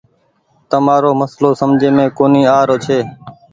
تمآرو مسلو سمجهي مين ڪونيٚ آروڇي۔